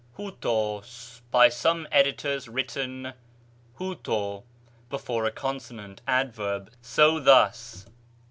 οὕτως (by some editors written οὕτω before a consonant), adv., so, thus.